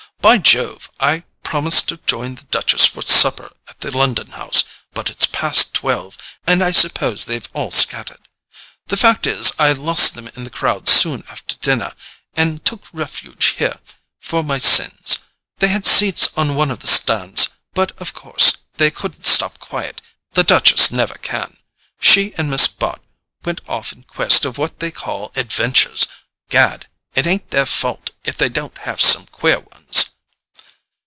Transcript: "By Jove, I promised to join the Duchess for supper at the LONDON HOUSE; but it's past twelve, and I suppose they've all scattered. The fact is, I lost them in the crowd soon after dinner, and took refuge here, for my sins. They had seats on one of the stands, but of course they couldn't stop quiet: the Duchess never can. She and Miss Bart went off in quest of what they call adventures—gad, it ain't their fault if they don't have some queer ones!"